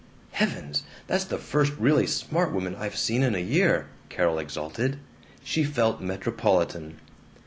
"Heavens! That's the first really smart woman I've seen in a year!" Carol exulted. She felt metropolitan.